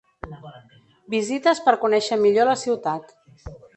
Visites per conèixer millor la ciutat.